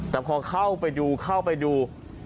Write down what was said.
แต่พอเข้าไปดูเข้าไปดู